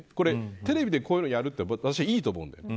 テレビでこういうのやるって私はいいと思うんです。